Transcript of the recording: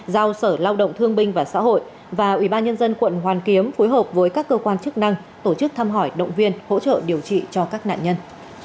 giao sở lao động thương binh và xã hội và ubnd quận hoàn kiếm phối hợp với các cơ quan chức năng tổ chức thăm hỏi động viên hỗ trợ điều trị cho các nạn nhân